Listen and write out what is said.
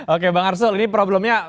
oke bang arsul ini problemnya